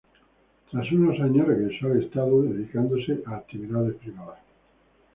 Tras unos años regresó al estado dedicándose a actividades privadas.